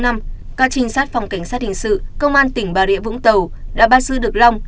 các trinh sát phòng cảnh sát hình sự công an tỉnh bà rịa vũng tàu đã bắt giữ được long